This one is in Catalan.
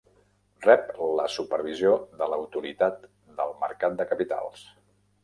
Rep la supervisió de l"Autoritat del mercat de capitals.